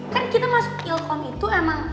kan kita masuk telkom itu emang